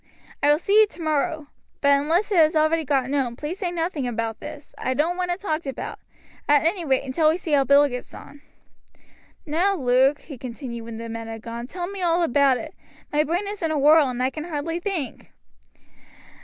I will see you tomorrow. But unless it has already got known, please say nothing about this. I don't want it talked about at any rate until we see how Bill gets on. "Now, Luke," he continued, when the men had gone, "tell me all about it. My brain is in a whirl, and I can hardly think."